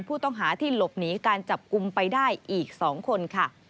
ผู้ต้องหาที่หลบหนีการจับกลุ่มไปได้อีก๒คนค่ะ